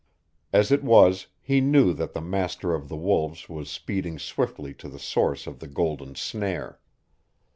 As it was, he knew that the master of the wolves was speeding swiftly to the source of the golden snare.